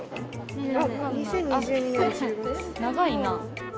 長いな。